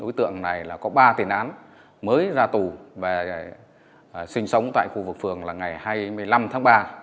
đối tượng này là có ba tiền án mới ra tù về sinh sống tại khu vực phường là ngày hai mươi năm tháng ba